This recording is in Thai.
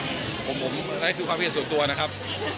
คุณแม่น้องให้โอกาสดาราคนในผมไปเจอคุณแม่น้องให้โอกาสดาราคนในผมไปเจอ